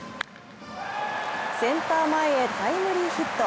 センター前へタイムリーヒット。